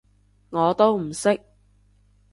我都唔識